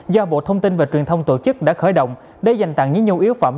do bộ thông tin và truyền thông tổ chức đã khởi động để dành tặng những nhu yếu phẩm